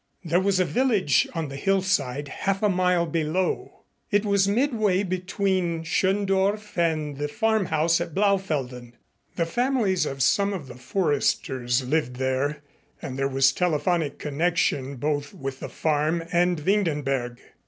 There was a village on the hillside, half a mile below. It was midway between Schöndorf and the farm house at Blaufelden. The families of some of the foresters lived there and there was telephonic connection both with the farm and Windenberg.